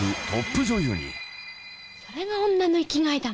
「それが女の生きがいだもんね」